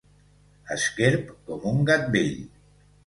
Esquerp com un gat vell.